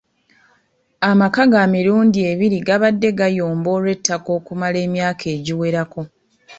Amaka ga mirundi ebiri gabadde gayomba olw'ettaka okumala emyaka egiwerako .